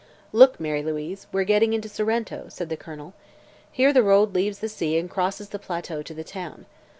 "Look, Mary Louise; we're getting into Sorrento," said the Colonel. "Here the road leaves the sea and crosses the plateau to the town.